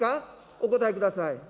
お答えください。